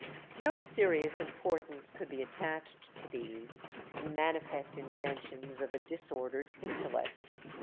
No serious importance could be attached to these, the manifest inventions of a disordered intellect.